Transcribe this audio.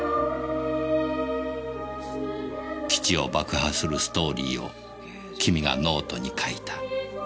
基地を爆破するストーリーを君がノートに書いた。